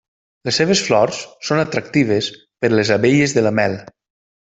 Les seves flors són atractives per les abelles de la mel.